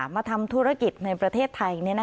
มาทำธุรกิจในประเทศไทย